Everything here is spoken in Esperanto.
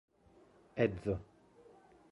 edzo